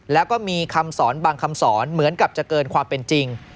แล้วก็มีคำสอนบางคำสอนเหมือนกับจะเกินความเป็นจริง